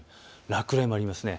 落雷もありますね。